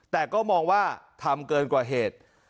แต่ก็มองว่าทำเกินกว่าเหตุ